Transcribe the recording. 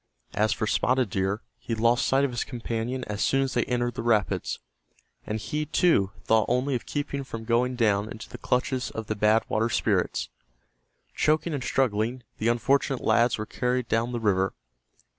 As for Spotted Deer, he lost sight of his companion as soon as they entered the rapids, and he, too, thought only of keeping from going down into the clutches of the Bad Water Spirits. Gasping, choking and struggling, the unfortunate lads were carried down the river.